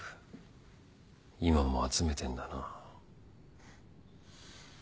今も集めてんだな